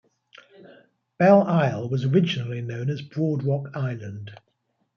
Belle Isle was originally known as Broad Rock Island.